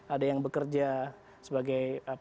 ada yang bekerja sebagai